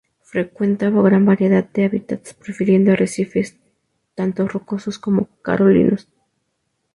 Frecuenta gran variedad de hábitats, prefiriendo arrecifes, tanto rocosos, como coralinos.